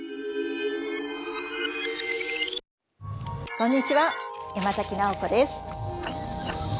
こんにちは山崎直子です。